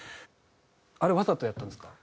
あれわざとやったんですか？